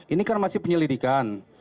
ini kan masih penyelidikan